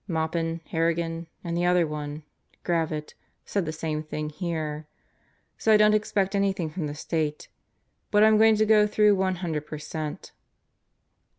Maupin, Harrigan, and the other one Gravitt said the same thing here. So I don't expect anything from the State. But I'm going to go through one hundred per cent.'